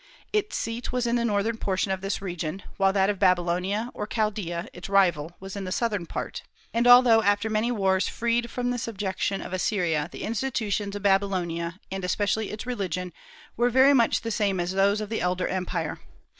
Its seat was in the northern portion of this region, while that of Babylonia or Chaldaea, its rival, was in the southern part; and although after many wars freed from the subjection of Assyria, the institutions of Babylonia, and especially its religion, were very much the same as those of the elder empire.